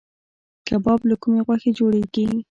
کباب له کومې غوښې جوړیږي؟